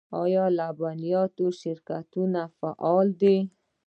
آیا د لبنیاتو شرکتونه فعال دي؟